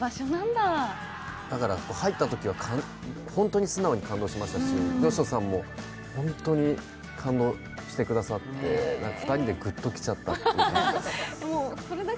だから入ったときは本当に素直に感動しましたし嘉人さんも本当に感動してくださって２人でグッときちゃったんです。